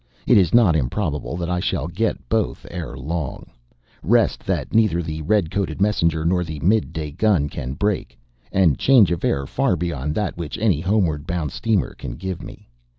It is not improbable that I shall get both ere long rest that neither the red coated messenger nor the midday gun can break, and change of air far beyond that which any homeward bound steamer can give me.